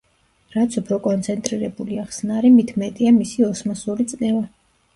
რაც უფრო კონცენტრირებულია ხსნარი, მით მეტია მისი ოსმოსური წნევა.